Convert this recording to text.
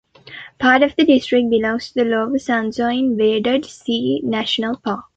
Part of the district belongs to the Lower Saxony Wadden Sea National Park.